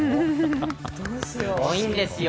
すごいんですよ。